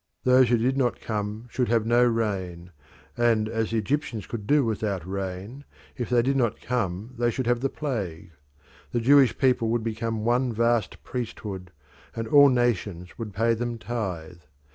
Those who did not come should have no rain; and as the Egyptians could do without rain, if they did not come they should have the plague. The Jewish people would become one vast priesthood, and all nations would pay them tithe.